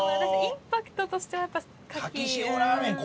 インパクトとしてはやっぱり。